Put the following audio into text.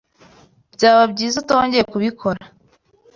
Byaba byiza utongeye kubikora.